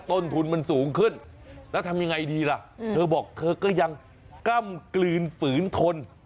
ต้นทุนมันสูงขึ้นแล้วทำยังไงดีล่ะเธอบอกเธอก็ยังกล้ำกลืนฝืนทน